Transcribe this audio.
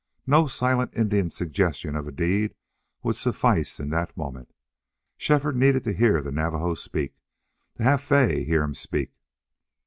No silent Indian suggestion of a deed would suffice in that moment. Shefford needed to hear the Navajo speak to have Fay hear him speak.